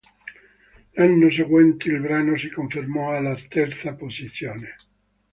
L'anno seguente il brano si confermò alla terza posizione.